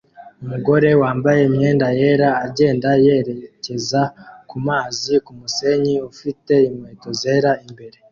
Umugore wambaye imyenda yera agenda yerekeza kumazi kumusenyi ufite inkweto zera imbere